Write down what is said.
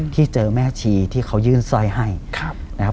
ที่เจอแม่ชีที่เขายื่นสร้อยให้นะครับ